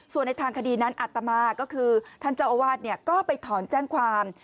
ส่วนในทางคดีนั้นอัตมาก็คือท่านเจ้าอาวาสก็ไปถอนแจ้งความ